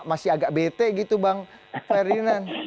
masih agak bete gitu bang ferdinand